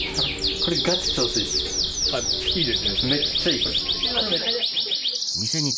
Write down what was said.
これ、ガチ調子いいっす。